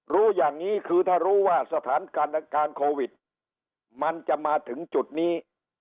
รู้อย่างนี้คือถ้ารู้ว่าสถานการณ์โควิดมันจะมาถึงจุดนี้